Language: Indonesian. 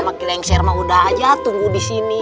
sama kilengser mah udah aja tunggu disini